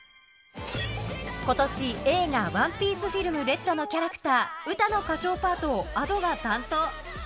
ことし、映画、ＯＮＥＰＩＥＣＥＦＩＬＭＲＥＤのキャラクター、ウタの歌唱パートをＡｄｏが担当。